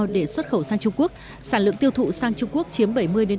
để xuất khẩu sang trung quốc sản lượng tiêu thụ sang trung quốc chiếm bảy mươi năm mươi